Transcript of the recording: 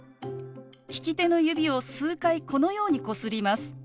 利き手の指を数回このようにこすります。